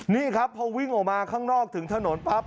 นี่ครับพอวิ่งออกมาข้างนอกถึงถนนปั๊บ